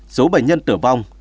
số bệnh nhân tử vong